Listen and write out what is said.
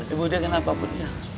ibu dia kenapa pun